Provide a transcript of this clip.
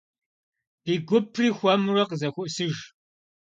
Ди гупри хуэмурэ къызэхуосыж.